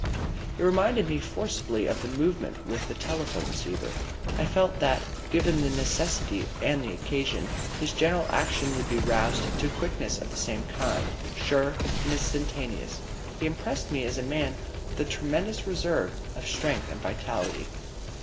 It reminded me forcibly of the movement with the telephone receiver. I felt that, given the necessity and the occasion, his general action would be roused to quickness of the same kind sure and instantaneous. He impressed me as a man with a tremendous reserve of strength and vitality.